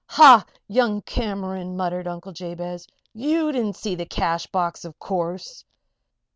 "Ha! Young Cameron," muttered Uncle Jabez. "You didn't see the cash box, of course?"